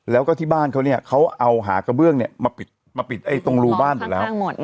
แล้วก็ที่บ้านเขาเนี่ยเขาเอาหากระเบื้องเนี่ยมาปิดตรงรูบ้านอยู่แล้ว